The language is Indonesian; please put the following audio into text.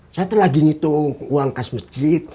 saya telah gini tuh uang khas masjid